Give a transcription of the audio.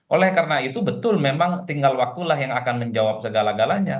oleh karena itu betul memang tinggal waktulah yang akan menjawab segala galanya